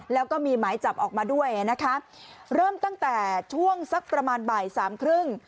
แล้วก็มีหมายจับออกมาด้วยนะคะเริ่มตั้งแต่ช่วงสักประมาณบ่ายสามครึ่ง